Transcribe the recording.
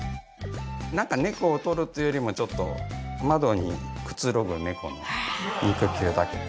なんかネコを撮るというよりもちょっと窓にくつろぐネコの肉球だけ。